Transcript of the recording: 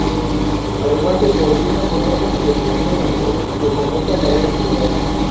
Además, se coordina con otras organizaciones nacionales que fomentan valores similares.